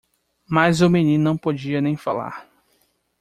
Mas o menino não podia nem falar.